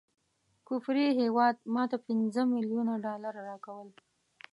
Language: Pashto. کفري هیواد ماته پنځه ملیونه ډالره راکول.